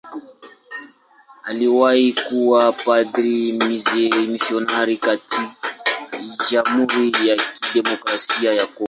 Aliwahi kuwa padri mmisionari katika Jamhuri ya Kidemokrasia ya Kongo.